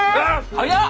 早っ！